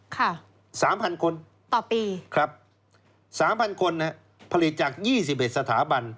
ค่ะ๓๐๐๐คนครับ๓๐๐๐คนผลิตจาก๒๑สถาบัน